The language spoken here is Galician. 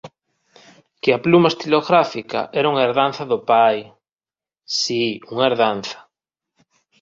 Que a pluma estilográfica era unha herdanza do pai… Si, unha herdanza.